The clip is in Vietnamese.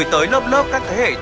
vì độc lập tự do của tổ quốc